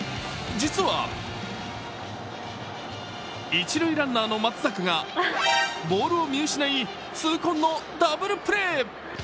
実は、一塁ランナーの松坂がボールを見失い、痛恨のダブルプレー。